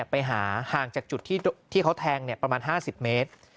ไปหาห่างจากจุดที่เขาแทงประมาณ๕๐เมตร